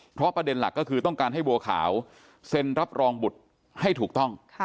เพราะประเด็นหลักก็คือต้องการให้บัวขาวเซ็นรับรองบุตรให้ถูกต้อง